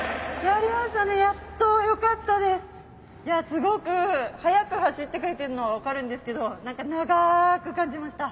すごく速く走ってくれてるのは分かるんですけど長く感じました。